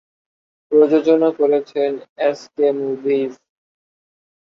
প্রযোজনা করেছেন SK movies.